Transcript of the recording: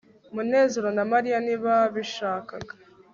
munezero na mariya ntibabishaka